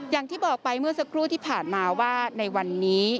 อย่างที่บอกไปเมื่อสักครู่ที่ผ่านมาว่าในวันนี้